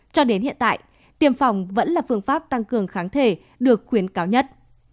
cho đến hiện tại tiêm phòng vẫn là phương pháp tăng cường kháng thể được khuyến cáo nhất